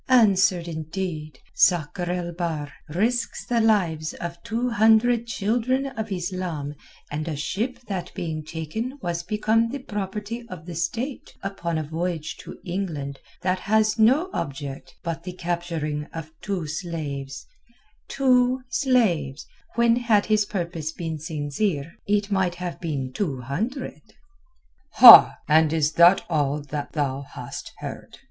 "Answered indeed. Sakr el Bahr risks the lives of two hundred children of Islam and a ship that being taken was become the property of the State upon a voyage to England that has no object but the capturing of two slaves—two slaves, when had his purpose been sincere, it might have been two hundred." "Ha! And is that all that thou hast heard?"